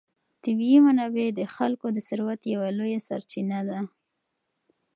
طبیعي منابع د خلکو د ثروت یوه لویه سرچینه ده.